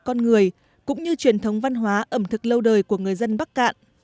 con người cũng như truyền thống văn hóa ẩm thực lâu đời của người dân bắc cạn